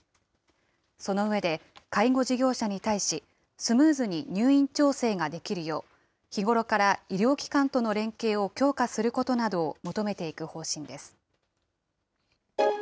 その上で、介護事業者に対し、スムーズに入院調整ができるよう、日頃から医療機関との連携を強化することなどを求めていく方針です。